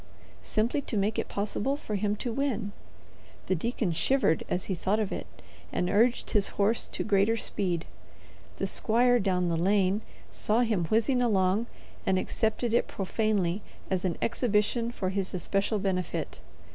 Simply to make it possible for him to win. The deacon shivered as he thought of it, and urged his horse to greater speed. The squire, down the lane, saw him whizzing along and accepted it profanely as an exhibition for his especial benefit.